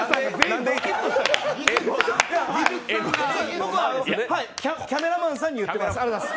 僕は、キャメラマンさんに言ってます！